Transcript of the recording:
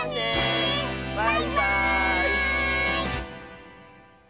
バイバーイ！